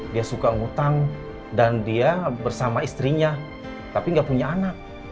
dia suka ngutang dan dia bersama istrinya tapi nggak punya anak